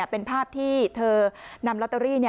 เป็นภาพที่เธอนำลอตเตอรี่